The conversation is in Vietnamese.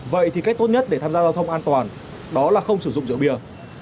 vậy thì cách tốt nhất để tham gia giao thông an toàn đó là không sử dụng rượu bia